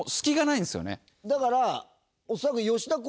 だから恐らく。